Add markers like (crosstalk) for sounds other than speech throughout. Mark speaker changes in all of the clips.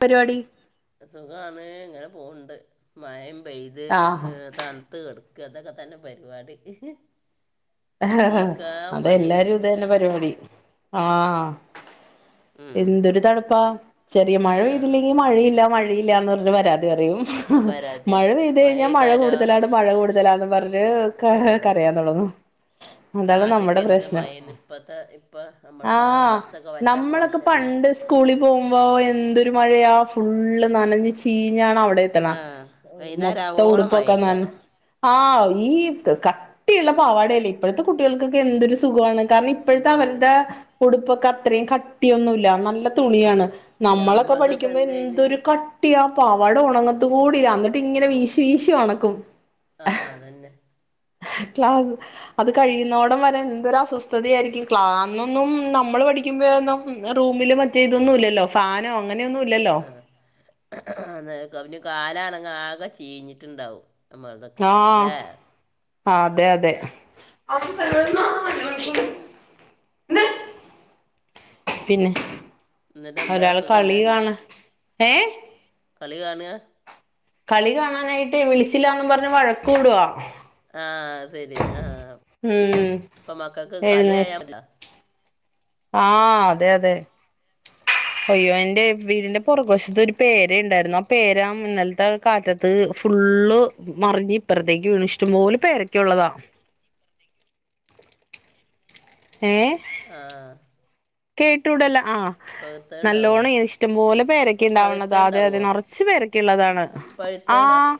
Speaker 1: പരിപാടി
Speaker 2: സുഖാണ് ഇങ്ങനെ പോവണ്ട്. മയയും പെയ്ത്
Speaker 1: ആഹ്
Speaker 2: ഏഹ് തണ് ഇത്കെട്ക്ക ഇതൊക്കെ തന്നെ പരിപാടി നീക്കാൻ
Speaker 1: അതെ
Speaker 2: മടിയാവുക
Speaker 1: എല്ലാരും ഇതെന്നെ പരിപാടി ആഹ്
Speaker 2: ഉം.
Speaker 1: എന്തൊരു തണുപ്പാ. ചെറിയ മഴ
Speaker 2: ആ
Speaker 1: പെയ്തില്ലെങ്കി മഴയില്ല മഴയില്ലാന്ന് പറഞ്ഞു പരാതി പറയും
Speaker 2: പരാതി
Speaker 1: മഴ
Speaker 2: അറിയാം
Speaker 1: പെയ്തെയ്കഴിഞ്ഞാ മഴ
Speaker 2: ചെയ്താലോ
Speaker 1: കൂടുതലാണ് മഴ കൂടുതലാന്ന് പറഞ്ഞ്
Speaker 2: ആ
Speaker 1: കരയാൻ തൊടങ്ങും അതാണ്
Speaker 2: ആദ്യമൊക്കെ
Speaker 1: നമ്മടെ
Speaker 2: എന്ത്
Speaker 1: പ്രശ്നം.
Speaker 2: മഴയെന്ന് ഇപ്പത്തെ ഇപ്പം നമ്മളെ
Speaker 1: ആഹ്
Speaker 2: കാലാവസ്ഥ ഒക്കെ പറ്റ
Speaker 1: നമ്മളൊക്കെ
Speaker 2: മോശമല്ലേ
Speaker 1: പണ്ട് സ്കൂളിപോകുമ്പോ എന്തൊരു മഴയാ. ഫുള്ള് നനഞ്ഞ് ചീഞ്ഞാണ് അവ്ടെ
Speaker 2: ആ വൈകുന്നേരം
Speaker 1: മൊത്തം
Speaker 2: ആവോളം
Speaker 1: ഉടുപ്പൊക്കെ നൻ
Speaker 2: മഴക്കാരം
Speaker 1: ആഹ് ഈ കട്ടി ഇള്ള പാവാടേ അല്ലെ ഇപ്പഴ്ത്തെ കുട്ടികൾക്കൊക്കെ എന്തൊരു സുഖ വാണ് കാര്ണം ഇപ്പഴത്തെ
Speaker 2: സുഖമാണ്
Speaker 1: അവര്ടെ ഉടുപ്പൊക്കെ അത്രയും കട്ടിയൊന്നുല്ല നല്ല
Speaker 2: ഇല്ല
Speaker 1: തുണിയാണ് നമ്മളൊക്കെ
Speaker 2: നമ്മളതൊക്കെ
Speaker 1: പഠിക്കുമ്പോ
Speaker 2: എന്തേന്
Speaker 1: എന്തൊരു ക ട്ടിയാ പാവാട ഒണങ്ങത്ത്കൂടിയില്ല അന്നട്ട്ങ്ങനെ വീശി വീശി ഒണക്കും
Speaker 2: ആഹ് അതന്നെ
Speaker 1: ക്ലാസ് അത് കഴിയുന്നോടം വരെന്തൊരു അസ്വസ്ഥതയായിരിക്കും ക്ലന്നൊന്നും നമ്മള് പഠിക്കുമ്പഴന്നും ഉം റൂമില് മറ്റേ ഇതൊന്നും ഇല്ലല്ലോ ഫാനോ അങ്ങനെയൊന്നും ഇല്ലല്ലോ
Speaker 2: ആഹ് ആഹ് കാലാണങ്ങ ആകെ ചീഞ്ഞിട്ട്ണ്ടാവും
Speaker 1: ആഹ് അതെ അതെ
Speaker 2: (unintelligible)
Speaker 1: പിന്നെ
Speaker 2: എന്നിട്ട് എന്താ
Speaker 1: ഒരാള്
Speaker 2: സുഖമല്ലേ
Speaker 1: കളിയാണ് ഏഹ്
Speaker 2: കളി കാണുവാ
Speaker 1: കളി കാണാനായിട്ട് വിളിച്ചില്ലാന്നും പറഞ്ഞ് വഴക്കൂടുവാ
Speaker 2: ആഹ് സെരി ആഹ്
Speaker 1: ഉം
Speaker 2: പ്പൊമക്കക്ക്
Speaker 1: എഴുന്നേറ്റ്
Speaker 2: കള്യായാ മതിയല്ലൊ
Speaker 1: ആഹ് അതെ അതെ അയ്യോ എന്റെ വീടിന്റെ പൊറക് വശത്ത് ഒരു പേരെണ്ടായ്രുന്നു ആ പേരാ ഇന്നല്ത്ത കാറ്റത്ത് അത് ഫുള്ള് മറിഞ്ഞ് ഇപ്പറത്തേക്ക് വീണ് ഇഷ്ടം പോലെ പേരൊക്കെള്ളതാ ഏഹ്
Speaker 2: ആഹ്
Speaker 1: കേട്ടൂടല്ല ആഹ്
Speaker 2: പഴുത്ത ഉണ്ടാവോ
Speaker 1: നല്ലോണം ഇഷ്ടം പോലെ
Speaker 2: പഴുത്ത
Speaker 1: പേരൊക്കെണ്ടാവ്ണത അതെതെ
Speaker 2: ഉണ്ടാവോ
Speaker 1: നറ ച്ച്‌ പേരെക്കുള്ളതാണ്
Speaker 2: പഴുത്ത ഉണ്ടാ
Speaker 1: ആഹ്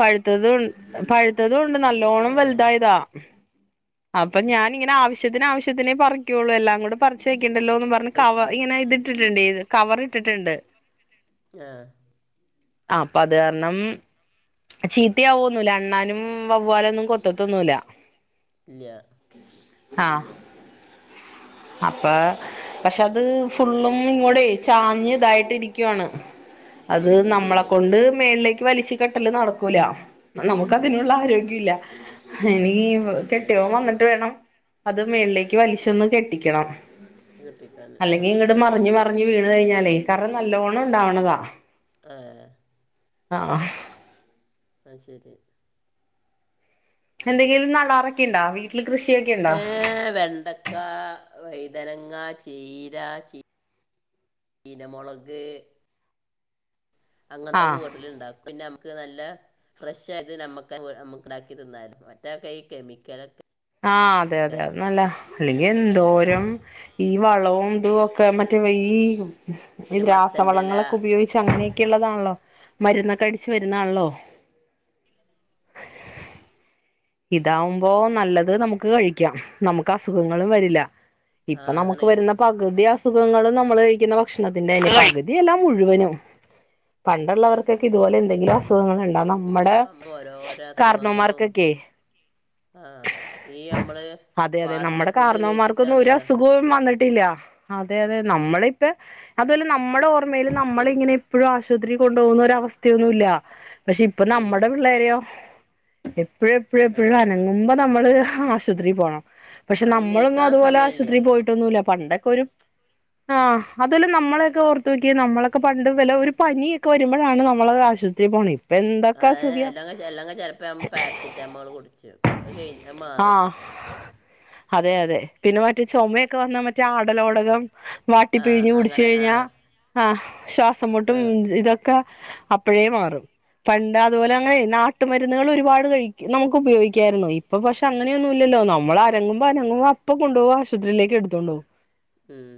Speaker 1: പഴുത്തതും പഴു ത്തതൂണ്ട് നല്ലോണം
Speaker 2: ഏ
Speaker 1: വല്തായതാ അപ്പൊ ഞാനിങ്ങന ആവശ്യത്തിന് ആവശ്യത്തിനേ പറിക്കുള്ളൂ എല്ലാം കൂടെ പറിച്ച് വെക്കണ്ടല്ലോന്ന് പറഞ്ഞ്
Speaker 2: അത്
Speaker 1: കവർ
Speaker 2: ശരി
Speaker 1: ഇങ്ങനെ ഇത് ഇട്ടിട്ട്ണ്ട് കവറ്ഇട്ടിട്ട്ണ്ട്
Speaker 2: ആഹ്
Speaker 1: അപ്പോത് കാരണം ചീത്തയാവോന്നുല്ല അണ്ണാനും വവ്വാലൊന്നും കൊത്തത്തൊന്നുല്ല
Speaker 2: ഇല്യാ
Speaker 1: ആഹ് അപ്പൊ പക്ഷെ അത് ഫുള്ളും ഇങ്ങോടെ ചാഞ്ഞ്തായിട്ട് ഇരിക്കുവാണ് അത് നമ്മളെകൊണ്ട് മേള്ളേക്ക് വലിച്ച് കെട്ടല് നടക്കൂല
Speaker 2: നടക്കൂല
Speaker 1: നമുക്കതിനുള്ള
Speaker 2: ഉം,
Speaker 1: ആരോഗ്യംല്ല
Speaker 2: ഉം.
Speaker 1: എനികീ കെട്ടിയൊൻ വന്നിട്ട് വേണം അത് മേള്ലേക്ക് വലിച്ചൊന്ന് കെട്ടിക്കണം
Speaker 2: കെട്ടിക്കാന്
Speaker 1: അല്ലെങ്കി
Speaker 2: ആഹ്
Speaker 1: ഇങ്ങട് മറിഞ്ഞ് മറിഞ്ഞ് വീണ് കഴിഞ്ഞാലേ കാരണം നല്ലോണണ്ടാവ്ണതാ
Speaker 2: ആഹ്
Speaker 1: ആഹ്
Speaker 2: അയ്ശെരി
Speaker 1: എന്തെങ്കിലും നടാറൊക്കെയുണ്ടാ വീ
Speaker 2: ഏഹ് വെണ്ടക്ക വൈതനങ്ങ ചീര ചി നി മൊളക് അങ്ങൻത്തെക്കെ
Speaker 1: ആഹ്
Speaker 2: വിട്ട്ല്ണ്ടാക്കും പിന്നെ അമ്മക്ക് നല്ല ഫ്രഷ് ആയത് നമ്മക്ക് നമുക്ക്ണ്ടാക്കി തിന്നാലോ മറ്റോക്കെ ഈ കെമിക്കലൊക്കെ
Speaker 1: ആഹ് അതെ അതെ അഹ് നല്ല അല്ലെങ്കി
Speaker 2: കൂട്ടണതല്ലേ
Speaker 1: എന്തോരം ഈ വളവും ഇതും ഒക്കെ മറ്റേ ഈ
Speaker 2: പിന്നെ
Speaker 1: ഇത്
Speaker 2: മത്തൻ്റെ ഇല
Speaker 1: രാസവളങ്ങളൊക്കെ ഉപയോഗിച്ച് അങ്ങനെയൊക്കെ ഉള്ളതാണല്ലോ മരുന്നൊക്കെ അടിച്ച് വരുന്നതാണല്ലോ ഇതാവുമ്പോ നല്ലത് നമുക്ക് കഴിക്കാം നമുക്ക് അസുഖങ്ങളും വരില്ല
Speaker 2: ആ
Speaker 1: ഇപ്പൊ നമുക്ക്
Speaker 2: അതാണ്
Speaker 1: വരുന്ന പകുതി അസുഖങ്ങളും നമ്മൾ കഴിക്കുന്ന ഭക്ഷണത്തിന്റെ തന്നെ പകുതി തിയല്ലാ മുഴുവനും പണ്ടുള്ളവർക്കൊക്കെ ഇതുപോലെ എന്തെങ്കിലും അസുഖങ്ങൾ ഉണ്ടാ നമ്മടെ
Speaker 2: നമ്മൾ ഓരോരോ അസുഖങ്ങളും
Speaker 1: കാർണവന്മാർക്കൊക്കെയെ
Speaker 2: ആ ഈ നമ്മള്
Speaker 1: അതെ അതെ
Speaker 2: ഫാസ്റ്റ്
Speaker 1: നമ്മുടെ
Speaker 2: ഫുഡ്
Speaker 1: കാർന്നവന്മാർക്കൊന്നും ഒരു
Speaker 2: കഴിച്ചിട്ടാണല്ലോ
Speaker 1: അസുഖവും വന്നിട്ടില്ല അതെ അതെ നമ്മളിപ്പ അതുപോലെ നമ്മുടെ ഓർമ്മൽ നമ്മള ഇങ്ങനെ എപ്പോഴും ആശുപത്രി കൊണ്ടു പോകുന്ന ഒര അവസ്ഥയൊന്നുമല്ല പക്ഷെ ഇപ്പൊ
Speaker 2: ഇതില്ല
Speaker 1: നമ്മുടെ പിള്ളേരെയോ എപ്പോഴും എപ്പോഴും
Speaker 2: ആ
Speaker 1: എപ്പോഴും അനങ്ങുമ്പോ നമ്മള് ആശുപത്രിൽ പോണം പക്ഷെ
Speaker 2: അവിടെ
Speaker 1: നമ്മളൊന്നും
Speaker 2: നീക്കാൻ
Speaker 1: അതുപോലെ
Speaker 2: സമയമില്ല
Speaker 1: ആശുപത്രിയിൽ പോയിട്ടൊന്നുമല്ല പണ്ടൊക്കെ ഒരു ആഹ് അതല്ല നമ്മളൊക്കെ ഓർത്ത് നോക്കി നമ്മളൊക്കെ പണ്ട് വില ഒരു പനിയൊക്കെ വരുമ്പോഴാണ് നമ്മള ആശു പോണി
Speaker 2: അല്ലാം എല്ലാംങ്ക ചിലപ്പോ പാരസിെറ്റാമോൾ കുടിച്ചു അത് കഴിഞ്ഞ മാറും
Speaker 1: ആഹ് അതെ അതെ പിന്നെ മറ്റേ ചുമയൊക്കെ വന്നാ മറ്റേ ആടലോടകം
Speaker 2: ആ
Speaker 1: വാട്ടിപ്പഴിഞ്ഞഞ് കുടിച്ച
Speaker 2: അങ്ങനെ ആ
Speaker 1: കഴിഞ്ഞാൽ ആ് ശ്വാസം മോട്ടും
Speaker 2: ആ
Speaker 1: ഇതൊക്കെ അപ്പോഴേ മാറും പണ്ട് അതുപോലെ അങ്ങനെ നാട്ടുമരുന്നുക ഒരുപാട് കഴി നമുക്ക് ഉപയോഗിക്കായിരുന്നു ഇപ്പൊ പക്ഷെ അങ്ങനെയൊന്നുമല്ലോ നമ്മൾ അങ്ങുമോ അങ്ങുംപ അപ്പോ കൊണ്ടപോകോ ആശുപത്രിയിലേക്ക് എടുത്തോണ്ടോ
Speaker 2: ഉം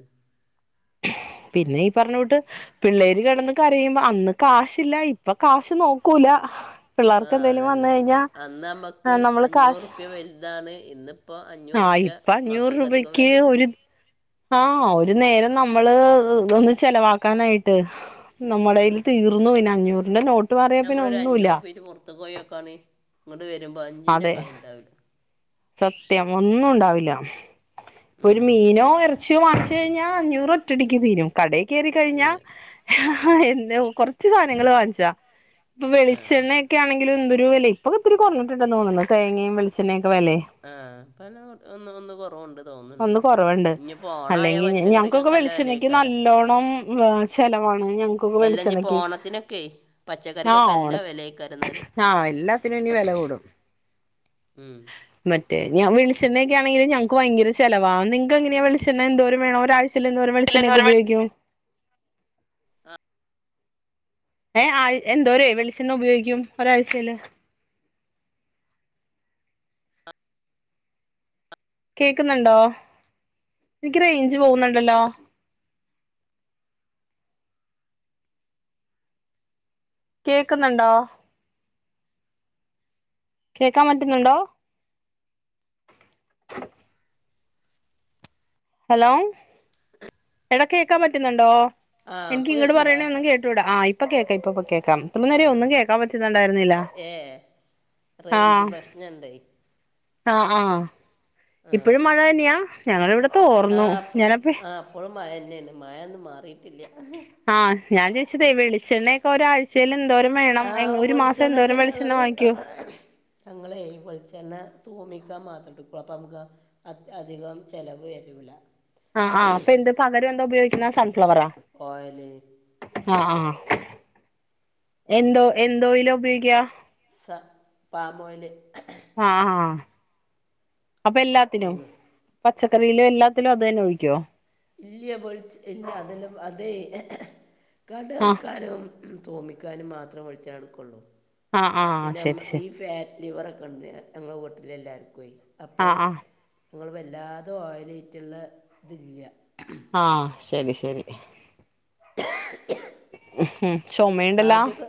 Speaker 1: പിന്നെ ഈ പറഞ്ഞ കൂട്ട് പിള്ളേര് കിടന്ന കരയുമ്പോ അന്ന് കാശ്ല്ല ഇപ്പൊ കാശ് നോക്കൂല പിള്ളേർക്ക്
Speaker 2: ആഹ
Speaker 1: എന്തേലും
Speaker 2: അതന്നെ
Speaker 1: വന്ന് കഴിഞ്ഞാ
Speaker 2: അന്നാമ്മ മക്ക്
Speaker 1: നമ്മള് കാശ്
Speaker 2: അഞ്ഞൂറ്റുപ്യ വലുതാണ് ഇന്നിപ്പോൾ അഞ്ഞൂറ്
Speaker 1: ആഹ്
Speaker 2: രുപ്യ
Speaker 1: ഇപ്പ
Speaker 2: മക്കൾക്ക് അധികം വരല്
Speaker 1: ആഹ ഒരു നേരം നമ്മള് ഒന്ന് ചെലവാക്കാനായിട്ട്
Speaker 2: ആ
Speaker 1: നമ്മുടെൽ തീർ ന്നെ അഞ്ഞൂറിന്റെ നോട്ട് മാറിയാ പിന്നെ ഒന്നും ഇല്ല
Speaker 2: മുത്ത കോഴിയൊക്കാ ആ ഇങ്ങോട്ട വരുമ്പോൾ അഞ്ചിൻ്റെ
Speaker 1: അതെ
Speaker 2: കായ ഉണ്ടാവില്ല
Speaker 1: സത്യം ഒന്നും ഉണ്ടാവില്ല ഒരു
Speaker 2: ഉം
Speaker 1: മീനോ എറ കു മാച്ച് കഴിഞ്ഞാൽ അഞ്ഞൂറ് ഒറ്റടിക്ക് തീരും കടയിൽ കയറി കഴിഞ്ഞ
Speaker 2: തീരെ
Speaker 1: ആ എന്ത കൊറച്ച് സാധനങ്ങള് വാങ്ങിച്ചാ ഇപ്പൊ
Speaker 2: ആ
Speaker 1: വെളിച്ചെണ്ണ ഒക്കെ ആണെങ്കും എന്ത ഒരു വില ഇപ്പൊ ഒത്തിരി കുറഞ്ഞിട്ടുണ്ട തോന്നോ തേങ്ങയും വെളിച്ചണ്യുംക്കെ വില
Speaker 2: ആഹ പല ഒന്ന് ഒന്ന് കുറവുണ്ട് തോന്നുന്നുണ്ട്
Speaker 1: ഒന്ന് കുറവുണ്ട്
Speaker 2: ഇനിയിപ്പോ ഓണായ
Speaker 1: അല്ലെങ്കി ഞങ്ങക്കൊക്കെ
Speaker 2: പച്ചക്കറിക്കൊക്കെ അല്ല
Speaker 1: വളിച്ചെണക്ക്
Speaker 2: വിലയേക്കാരാ
Speaker 1: നല്ലോ ണം ചെലവാണ് ഞ
Speaker 2: അല്ല ഇനിയിപ്പോ
Speaker 1: വിളിച്ചെണക്ക്
Speaker 2: ഓണത്തിനൊക്കെ
Speaker 1: ആ്
Speaker 2: പച്ചക്കറിക്കൊക്കെ അല്ല
Speaker 1: ഓണ
Speaker 2: വിലയേക്കാരെന്നാല്
Speaker 1: ആഹ എല്ലാത്തിനും ഇനി വില കൂടും
Speaker 2: ഉം
Speaker 1: മറ്റേ ഞാൻ വെളിച്ചണ്ണയക്കണെങ്കിൽ ഞൾക്ക് ഭയങ്കര ചിലവാ നിങ്ങക്ക് എങ്ങനാ വെളെണ് എന്തോ വേണം ഒരാ്ചയില എന്തോും വെളിച്ചണ്ണ ഒക്കെ ഉയോഗിക്കോ
Speaker 2: ആ
Speaker 1: ഏ ആ എന്തോര വെളിച്ചെണ്ണ ഉപയോഗിക്കും ഒരാഴ്ചയില് കേക്കുന്നുണ്ടോ എനിക്ക് റേഞ്ച് പോകുന്നുണ്ടല്ലോ കേൾക്കുന്നുണ്ടോ കേക്കാൻ പറ്റുന്നുണ്ടോ ഹലോ എട കേക്കാൻ പറ്റുന്നുണ്ടോ
Speaker 2: ആ
Speaker 1: എനിക്ക്
Speaker 2: ഇപ്പൊ
Speaker 1: ഇങ്ങോട്
Speaker 2: കേക്കണ്ടാ
Speaker 1: പറയണ ഒന്നും കേട്ടൂട ആ ഇപ്പൊ കേൾക്കാം ഇപ്പ ഇപ്പൊ കേൾക്കാം അത്ര
Speaker 2: ആ
Speaker 1: നേരം ഒന്നും കേൾക്കാൻ പറ്റുന്നുണ്ടായിരുന്നില്ല ആഹ
Speaker 2: ഞാണ്ടായി
Speaker 1: ആഹ് ആഹ
Speaker 2: ആ
Speaker 1: ഇപ്പഴും മഴ തന്നെയാ ഞങ്ങളുടെ ഇവിടത്തെ
Speaker 2: ആ
Speaker 1: ഓർന്നു
Speaker 2: പ-
Speaker 1: ഞാനപ്പ
Speaker 2: ആ അപ്പോഴും മഴ തന്നെയാണ് മഴയൊന്നും മാറിയിട്ടില്ല
Speaker 1: ആഹ് ഞാൻ ചോദിച്ചതത് വെളിച്ചെണ്ണ ഒരാഴ്ചയിൽ എന്തോരം വേണം
Speaker 2: ആ
Speaker 1: ഒരു മാസം
Speaker 2: വെളിച്ചെണ്ണ
Speaker 1: എന്തോര
Speaker 2: വെച്ചാൽ ഞങ്ങൾ
Speaker 1: വളിച്ചെണ്ണ വാങ്ങിക്കോ
Speaker 2: ഞങ്ങളെ വളിച്ചന്നെ തോന്നിക്കാൻ മാത്രംട്ടള അപ്പ നമുക്ക് അത് അധികം ചിലവ് വരില്ല
Speaker 1: ആഹ ആ് അപ്പ എന്ത് പകരം എന്താ ഉപയോഗിക്കുന്ന സൺഫ്ലവറാ
Speaker 2: ഓയില്
Speaker 1: ആഹ ആഹ എന്തോ എന്തോയില ഉപയോഗിക്കുക
Speaker 2: സ പാമോയില്
Speaker 1: ആഹ ആഹ അപ്പൊ എല്ലാത്തിനും
Speaker 2: അങ്ങ്
Speaker 1: പച്ചക്കറിയിലും എല്ലാത്തിലും അത് തന്നെ ഒഴിക്കുവോ
Speaker 2: ഇല്ല്യ പോലി ഇല്ല അതെല്ലാം അതേ
Speaker 1: ആ
Speaker 2: കടെയിറക്കാനും തോന്നിക്കാനും മാത്രേ വിളിച്ച നടക്കള്ളൂ
Speaker 1: ആ ആ
Speaker 2: പിന്നെ
Speaker 1: ശരി
Speaker 2: ഈ
Speaker 1: ശരി
Speaker 2: ഫാ ലിവറൊക്കെ ഉണ്ട് ഞങ്ങളെ വീട്ടിലെ എല്ലാവർക്കും ഏ
Speaker 1: ആ
Speaker 2: അപ്പോൾ
Speaker 1: ആ
Speaker 2: നിങ്ങള് വല്ലാതെ ഓയിലായിട്ടുള്ള ഇതില്ല
Speaker 1: ആഹ് ശെരി ശെരി ഉം ചുമയുണ്ടല്ലോ
Speaker 2: ആദ്യൊക്കെ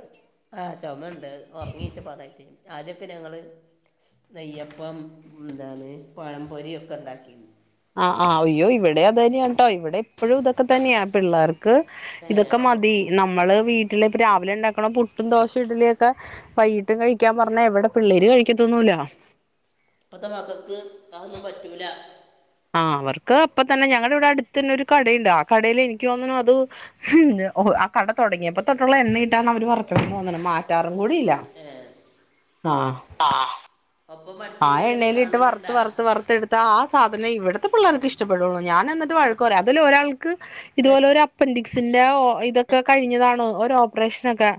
Speaker 2: ആഹ് ചുമയു അ ഉറങ്ങിയേച്ചാ പാടായിരിക്കും ആദ്യൊക്കെ ഞങ്ങൾ നെയ്യപ്പം എന്താണ് പഴം പൊരി ഒക്കെ ഉണ്ടാക്കി
Speaker 1: ആഹ് ആഹ് അയ്യോ ഇവിടെ അതെന്നയ കേട്ടോ ഇവിടെ എപ്പോഴും ഇതൊക്കെ തന്നെയാ പിള്ളേർക്ക്
Speaker 2: ഏ
Speaker 1: ഇതൊക്കെ മതി നമ്മള് വീട്ടില് ഇപ്പ രാവിലെ ഉണ്ടാക്കണ പുട്ടും ദോശയും ഇഡ്ഡലിയുമൊക്കെ വൈകീട്ടും കഴിക്കാൻ പറഞ്ഞ എവിടെ പിള്ളേര് കഴിക്കത്തൊന്നൂല്ല
Speaker 2: ഇപ്പത്തെ മക്കൾക്ക് അതൊന്നും പറ്റൂല
Speaker 1: ആഹ് അവർക്ക് അപ്പൊ തന്നെ ഞങ്ങടെ ഇവിടെ അടുത്ത് തന്നെ ഒരു കടയുണ്ട് ആഹ് കടേൽ എനിക്ക് തോന്നുന്നു അത് ഉം ഓ ആഹ് കട തുടങ്ങിയപ്പോ തൊട്ടുള്ള എണ്ണ ഇട്ടാണ് അവര് വറക്കുന്ന തോന്നുന്നത് മാറ്റാറും കൂടില്ല
Speaker 2: ഏഹ് ആഹ് ഒപ്പം പടി
Speaker 1: ആഹ് എണ്ണയിലിട്ട് വറുത്ത് വറുത്ത് വറുത്ത് എടു ടുത്ത ആഹ് സാധനം ഇവിടുത്തെ പിള്ളേർക്ക് ഇഷ്ടപ്പെടുള്ളൂ ഞാൻ എന്നിട്ട് വഴക്ക് പറയും അതില് ഒരാൾക്ക് ഇതുപോലെ ഒരു അപ്പൻ്റിക് സിന്റെ ഇതൊക്കെ കഴിഞ്ഞതാണ് ഒരു ഓപ്പറേഷനൊക്കെ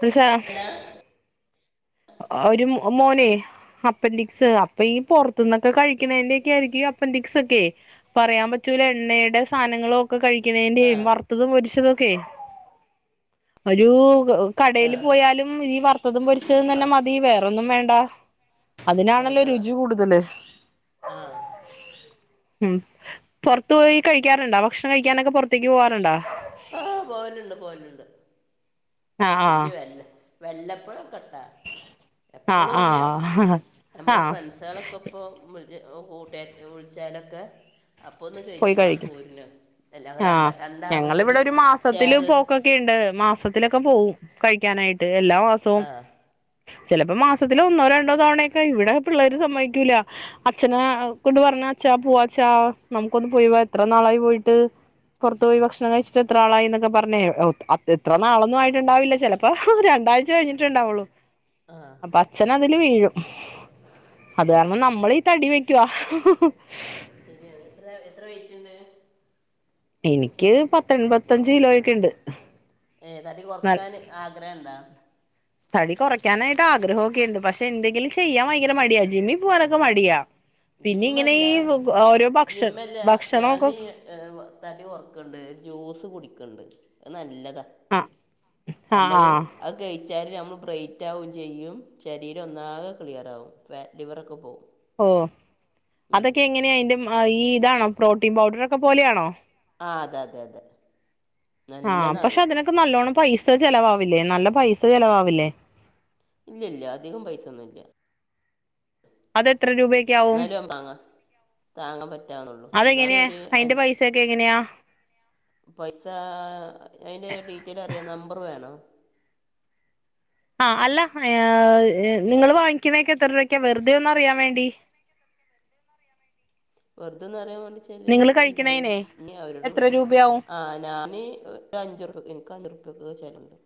Speaker 1: മനസിലായോ
Speaker 2: അല്ല
Speaker 1: ഒരു മോനെ അപ്പൻഡിക്സ് അപ്പൊ ഈ പുറത്തു നിന്നൊക്കെ കഴിക്കണതിന്റെയൊക്കെ ആയിരിക്കും അപ്പൻഡിക്സ് ഒക്കെ പറയാൻ പറ്റൂല എണ്ണയുടെ സാധനങ്ങളും
Speaker 2: ആ
Speaker 1: കഴിക്കണേന്റെയും വറുത്തതും പൊരിച്ചതൊക്കെ ഒരു
Speaker 2: ആ
Speaker 1: കടയിൽ പോയാലും ഈ വറത്തതും പൊരിച്ചതും തന്നെ മതി വേറൊന്നും വേണ്ട
Speaker 2: ആ,
Speaker 1: അതിനാണല്ലോ
Speaker 2: എന്താ
Speaker 1: രുചി കൂടുതല്
Speaker 2: ആ
Speaker 1: ഉം പുറത്ത് പോയി കഴിക്കാറുണ്ടാ ഭക്ഷണം കഴിക്കാനൊക്കെ പുറത്തേക്ക് പോകാറുണ്ടോ
Speaker 2: പോവലുണ്ട് പോവലുണ്ട്
Speaker 1: ആഹ്
Speaker 2: വല്ല വെല്ലപ്പോഴക്കേട്ടാ
Speaker 1: ആഹ്
Speaker 2: എപ്പോഴും
Speaker 1: ആഹ്
Speaker 2: ഇല്ല
Speaker 1: ആഹ്
Speaker 2: നമ്മള്
Speaker 1: ആഹ്
Speaker 2: ഫ്രണ്ട്സുകളൊക്കെ ഇപ്പോ വിളി കൂട്ടാര് വിളിച്ചാലൊക്കെ അപ്പോൾ ഒന്ന്
Speaker 1: പോയി
Speaker 2: കഴിച്ച് കാണ്ട്
Speaker 1: കഴിക്കും
Speaker 2: പോരണ് എല്ലാവരും രണ്ട്
Speaker 1: ആഹ്
Speaker 2: രണ്ടാളും കൂടി ഷെയർ
Speaker 1: വധി ഒണ്ട് മാസത്തിലൊക്കെ പോവും കഴിക്കാനായിട്ട് എല്ലാ മാസവും
Speaker 2: ആ
Speaker 1: ചിലപ്പോ മാസത്തില് ഒന്നോ രണ്ടോ തവണയൊക്കെ ഇവിടെ പിള്ളേര് സമ്മതിക്കൂല അച്ഛനെ കൊണ്ട് പറഞ്ഞാ അച്ചാ പോവാച്ചാ നമുക്കൊന്ന് പോയിവാ എത്ര നാളായി പോയിട്ട് പുറത്ത് പോയി ഭക്ഷണം കഴിച്ചിട്ട് എത്ര നാളായി എന്നൊക്കെ പറഞ്ഞേ എത്ര നാളൊന്നും ആയിട്ടുണ്ടാവില്ല ചില പ്പോ രണ്ടാഴ്ച കഴിഞ്ഞിട്ടുണ്ടാവുള്ളൂ
Speaker 2: ആഹ്
Speaker 1: അപ്പൊ അച്ഛൻ അതില് വീഴും അത് കാരണം നമ്മളീ തടി വെക്കുവാ
Speaker 2: ശരിയാണ് എത്ര എത്ര വെയിറ്റ്ണ്ട്
Speaker 1: എനിക്ക് പത്ത് എൻപത്തഞ്ച് കിലോയൊക്കെ ഉണ്ട്
Speaker 2: ഏഹ് തടി
Speaker 1: ന
Speaker 2: കുറക്കാന് ആഗ്രഹം ഉണ്ടാ
Speaker 1: തടി കുറയ്ക്കാനായിട്ട് ആഗ്രഹമൊക്കെയുണ്ട് പക്ഷെ എന്തെങ്കിലും ചെയ്യാൻ ഭയങ്കര മടിയാ ജിമ്മി പോവാനൊക്കെ മടിയാ പിന്നെ ഇങ്ങനെ
Speaker 2: ജിമ്മല്ല
Speaker 1: ഈ ഓരോ ഭക്ഷ ഭക്ഷണം ഒക്കെ
Speaker 2: ഏഹ് തടി കൊറക്കണ്ട് ജ്യൂസ് കുടിക്കണ്ട് അത് നല്ലതാ
Speaker 1: ആ ആ ആ
Speaker 2: നമ്മള് അത് കഴിച്ചാൽ നമ്മൾ ബ്രേറ്റ് ആകും ചെയ്യും ശരീരം ഒന്നാകെ ക്ലിയറാകും ഫാറ്റ് ലിവറൊക്കെ പോകും
Speaker 1: ഓ അതൊക്കെ എങ്ങനെയ അതിന്റ ഈ ഇതാണോ പ്രോട്ടീൻ പൗഡറൊക്കെ പോലെയാണോ
Speaker 2: ആഹ് അതെ അതെ അതെ
Speaker 1: ആഹ്
Speaker 2: നല്ലതാണ്
Speaker 1: പക്ഷെ അതിനൊക്കെ നല്ലോണ്ണം പൈസ ചെലവാവില്ലേ നല്ല പൈസ ചെലവാവില്ലേ
Speaker 2: ഇല്ല ഇല്ല അധികം പൈസ ഒന്നുംല്ല
Speaker 1: അത് എത്ര രൂപയക്ക ആകും
Speaker 2: ന്നാലും വാങ്ങാ
Speaker 1: അതെങ്ങനെയാ
Speaker 2: ഒരു
Speaker 1: അയിന്റെ
Speaker 2: അഞ്ച്
Speaker 1: പൈസൊക്കെ എങ്ങനെയാ
Speaker 2: പൈസ അതിന്റെ ഡീറ്റെൽ അറിയാം നമ്പറ് വേണോ
Speaker 1: ആ അല്ല നിങ്ങൾ വാങ്ങിക്കണേക്കെ എത്ര രൂപക്ക വെറുതെ ഒന്ന അറിയാൻ വേണ്ടി
Speaker 2: വെറുതന്ന് അറിയാൻ വേണ്ടിച്ചാല്
Speaker 1: നിങ്ങള്
Speaker 2: എന്താ
Speaker 1: കഴിക്കണേനെ
Speaker 2: ഇ അവരോട്
Speaker 1: എത്ര രൂപയാവും
Speaker 2: ആ് ഞാന് അഞ്ച് എക്ക് അച്റുപ്പക്കെ ചലുണ്ട്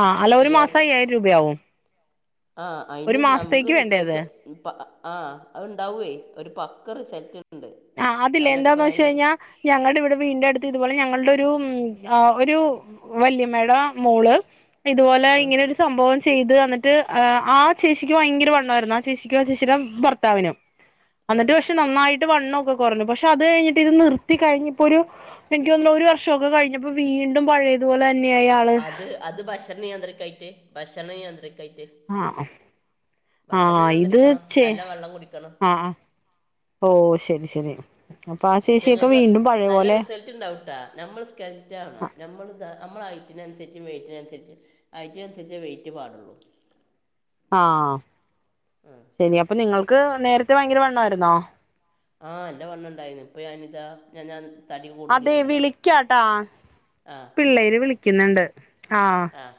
Speaker 1: ആഹ അല്ല ഒരു മാസം അയ്യായിരം രൂപയാവും
Speaker 2: ആ
Speaker 1: ഒരു
Speaker 2: അതിനന് നമുക്ക്
Speaker 1: മാസത്തേക്ക് വേണ്ടേ അത്
Speaker 2: റിസൾട്ട് ആ അത്ണ്ടാവേ ഒരു പക്ക റിസൾട്ട് ഉണ്ട്
Speaker 1: ആഹ അല്ല
Speaker 2: ഞാനൊക്കെ ഇപ്പൊ
Speaker 1: എന്താന്ന് വെച്ച്
Speaker 2: നല്ല
Speaker 1: കഴിഞ്ഞാ ഞങ്ങളുടെ ഇവിടെ വീ അടുത്ത് ഇതുപോലെ ഞങ്ങളുടെ ഒരു ആ ഒരു വല്യമേട മോള് ഇതുപോലെ
Speaker 2: ആ,
Speaker 1: ഇങ്ങനെ സംഭവം ചെയ്ത് എന്നിട്ട് ആ ചേച്ചിക്കും ഭയങ്കര വണ്ണമായിരുന്നു ആ ചേച്ചിക്കും ആ ചേച്ചിയുടെ ഭർത്താവിനും
Speaker 2: (unintelligible)
Speaker 1: എന്നിട്ട് പക്ഷെ നന്നായിട്ട് വണ്ണമൊക്കെ കുറഞ്ഞു പക്ഷെ അത് കഴിഞ്ഞിട്ട് ഇത് നിർത്തി കഴിഞ്ഞപ്പോ ഒരു എനക്ക്ൊന്ന ഒരു വർഷമൊക്കെ കഴിഞ്ഞപ്പോ വീണ്ടും പഴയതുപോലെ തന്നെയ ആണ്
Speaker 2: അത് അത് ഭക്ഷണ നിയന്ത്രിക്കായിട്ട് ഭക്ഷണ നിയന്ത്രിക്കായിട്ട്
Speaker 1: ആഹ ആഹ
Speaker 2: ഭക്ഷണം
Speaker 1: ഇത്
Speaker 2: നിയന്ത്രിക്കണം
Speaker 1: ചേ
Speaker 2: നല്ല വെള്ളം കുടിക്കണം
Speaker 1: ആ ഓ ശരി ശരി അപ്പൊ ആ ശേഷിയൊക്കെ വീണ്ടും പഴയ പോലെ
Speaker 2: ട്ട നമ്മൾ സ്കറ്റ്ണം നമ്മൾ നമ്മ ഹൈറ്റിനനുസരിച്ചു വെറ്റിനനുസരിച്ചും ആയിറ്റ അനുസരിച്ച വെയിറ്റ് പാടുള്ളൂ
Speaker 1: ആഹ
Speaker 2: ആ
Speaker 1: ശരി അപ്പൊ നിങ്ങക്ക് നേരത്തെ ഭയങ്കര വണ്ണമായിരുന്നോ
Speaker 2: ആഹ് എന്റെ വണ്ണ ഉണ്ടായിരുന്നു ഇപ്പൊ ഞാനിത ഞാൻ ഞാൻ തടി
Speaker 1: അതെ
Speaker 2: കൂട്ടണില്ലല്ലോ
Speaker 1: വിളിക്കാട്ടാ
Speaker 2: ആ ശരി
Speaker 1: പിള്ളേര് വിളിക്കുന്നുണ്ട് ആഹ
Speaker 2: ആ